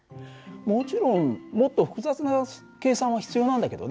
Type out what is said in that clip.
もちろんもっと複雑な計算は必要なんだけどね。